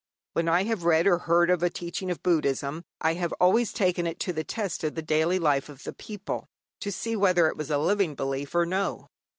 When I have read or heard of a teaching of Buddhism, I have always taken it to the test of the daily life of the people to see whether it was a living belief or no.